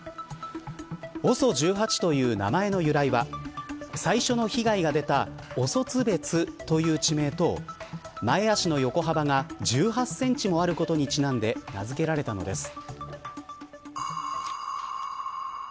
ＯＳＯ１８という名前の由来は最初の被害が出たオソツベツという地名と前足の横幅が１８センチもあることにちなんで名付けられたのです。